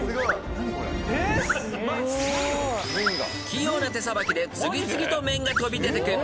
［器用な手さばきで次々と麺が飛び出てく］